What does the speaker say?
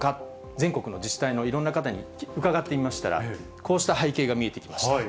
全国の自治体のいろんな方に伺ってみましたら、こうした背景が見えてきました。